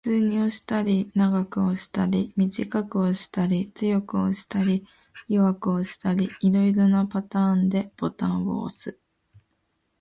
普通に押したり、長く押したり、短く押したり、強く押したり、弱く押したり、色々なパターンでボタンを押す